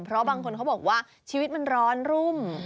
เพราะบางคนเขาบอกว่าชีวิตมันร้อนรุ่ม